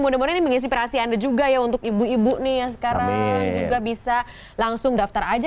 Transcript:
mudah mudahan ini menginspirasi anda juga ya untuk ibu ibu nih yang sekarang juga bisa langsung daftar aja